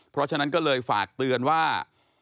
เพราะฉะนั้นก็เลยฝากเตือนว่า